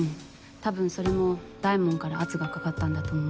多分それも大門から圧がかかったんだと思う。